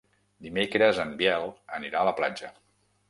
Dimecres en Biel anirà a la platja.